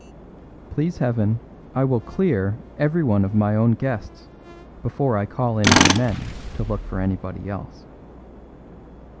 Please Heaven, I will clear everyone of my own guests before I call in my men to look for anybody else.